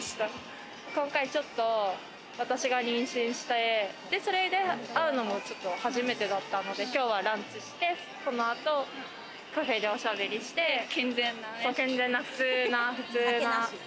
私が妊娠して、それで会うのも初めてだったので、今日はランチして、その後カフェでおしゃべりして普通な。